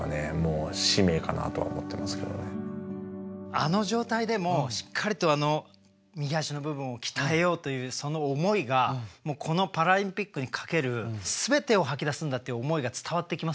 あの状態でもしっかりと右足の部分を鍛えようというその思いがこのパラリンピックに懸ける全てを吐き出すんだという思いが伝わってきますよね。